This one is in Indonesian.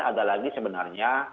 ada lagi sebenarnya